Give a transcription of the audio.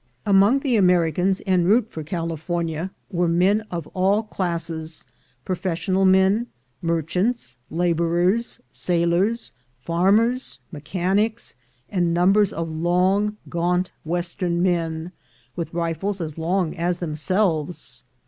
Among the Americans en route for California were men of all classes — professional men, merchants, labor ers, sailors, farmers, mechanics, and numbers of long gaunt Western men, with rifles as long as themselves.